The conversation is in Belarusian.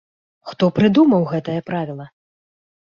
Хто прыдумаў гэтае правіла?